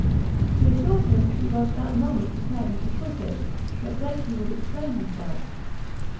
She assured him she was that moment preparing to quit it, but begged he would explain himself.